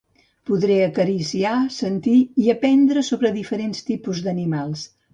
Podré acariciar, sentir i aprendre sobre diferents tipus d'animals.